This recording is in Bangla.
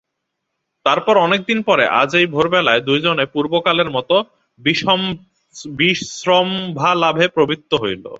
তার পর অনেক দিন পরে আজ এই ভোরবেলায় দুইজনে পূর্বকালের মতো বিশ্রম্ভালাপে প্রবৃত্ত হইল।